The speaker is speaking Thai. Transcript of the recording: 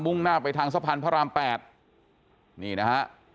่งหน้าไปทางสะพานพระราม๘นี่นะฮะ